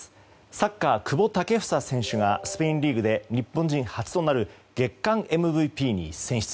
サッカー、久保建英選手がスペインリーグで日本人初となる月間ＭＶＰに選出。